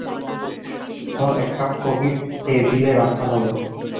ধর এক cup coffee টেবিলে রাখা হল।